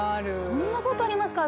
そんなことありますか？